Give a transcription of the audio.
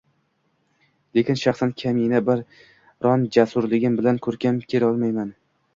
Lekin shaxsan kamina biron jasurligim bilan ko`krak kerolmayman